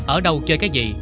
ở đâu chơi cái gì